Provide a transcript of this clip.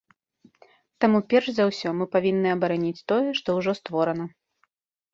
Таму перш за ўсё мы павінны абараніць тое, што ўжо створана.